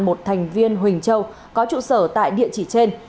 một thành viên huỳnh châu có trụ sở tại địa chỉ trên